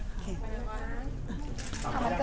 โอเคมั้ยคะ